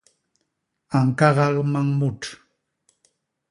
A ñkagal mañ mut.